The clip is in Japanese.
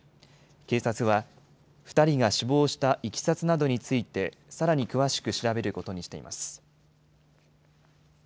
警察は、２人が死亡したいきさつなどについて、さらに詳しく調べることにしています。